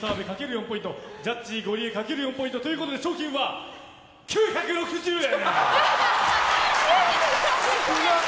４ポイントジャッジゴリエかける４ポイントということで賞金は９６０円。